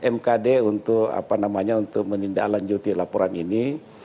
mkd untuk apa namanya untuk menindaklanjuti laporan ini